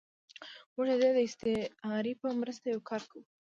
موږ د دې استعارې په مرسته یو کار کوو.